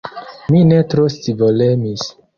Mi ne tro scivolemis.